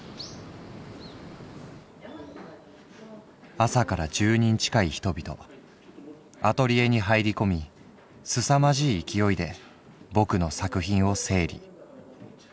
「朝から十人近い人々アトリエに入り込みすさまじい勢いでぼくの作品を整理。